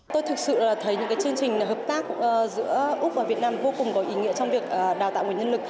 tôi thực sự thấy những chương trình hợp tác giữa úc và việt nam vô cùng có ý nghĩa trong việc đào tạo nguồn nhân lực